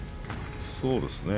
そうですね。